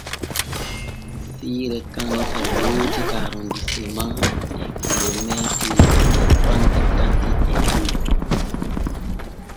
Siire kona e woodi Arondisema e kilomeetiri cappanɗe tati e joy.